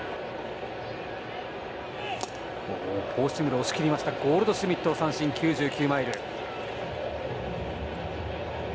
フォーシームで押し切りましたゴールドシュミットを三振９９マイル。